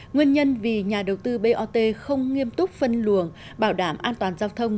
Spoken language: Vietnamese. nguyên nhân vì nhà đầu tư bot không nghiêm túc phân luồng bảo đảm an toàn giao thông